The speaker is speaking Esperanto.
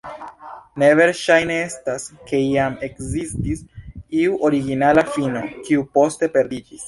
Ne verŝajne estas, ke iam ekzistis iu originala fino, kiu poste perdiĝis.